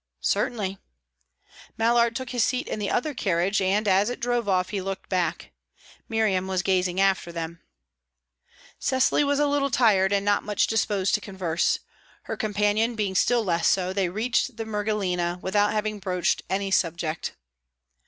"Certainly." Mallard took his seat in the other carriage; and, as it drove off, he looked back. Miriam was gazing after them. Cecily was a little tired, and not much disposed to converse. Her companion being still less so, they reached the Mergellina without having broached any subject.